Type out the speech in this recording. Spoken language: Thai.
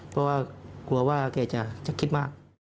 เพราะว่ากลัวว่าแกจะคิดมาก